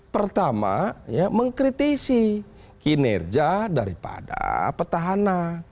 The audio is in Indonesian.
pertama mengkritisi kinerja daripada petahana